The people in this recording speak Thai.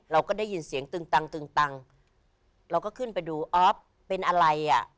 เราก็ได้ยินเสียงตึงตังตึงตังเราก็ขึ้นไปดูออฟเป็นอะไรอ่ะ